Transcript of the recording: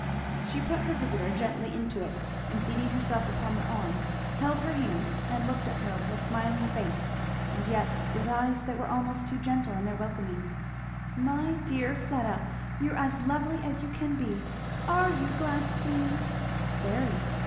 She put her visitor gently into it, and seating herself upon the arm held her hand and looked at her, with a smiling face and yet with eyes that were almost too gentle in their welcoming. "My dear little Fleda! you're as lovely as you can be! Are you glad to see me?" "Very."